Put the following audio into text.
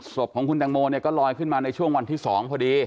ศพของคุณตังโมเนี่ยก็ลอยขึ้นมาในช่วงวันที่๒พอดี